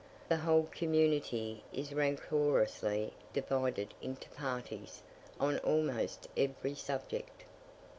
The whole community is rancorously divided into parties on almost every subject.